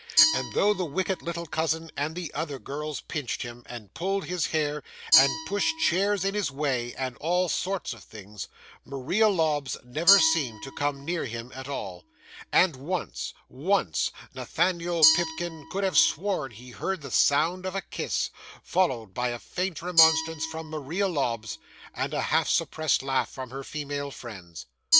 And though the wicked little cousin and the other girls pinched him, and pulled his hair, and pushed chairs in his way, and all sorts of things, Maria Lobbs never seemed to come near him at all; and once once Nathaniel Pipkin could have sworn he heard the sound of a kiss, followed by a faint remonstrance from Maria Lobbs, and a half suppressed laugh from her female friends.